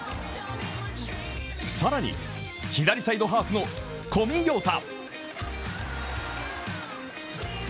更に、左サイドハーフの小見洋太。